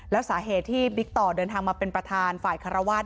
แล้วสาเหตุที่บิ๊กต่อเดินทางมาเป็นประธานฝ่ายคารวาส